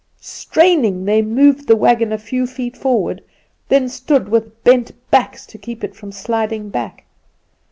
Straining, they moved the wagon a few feet forward, then stood with bent backs to keep it from sliding back.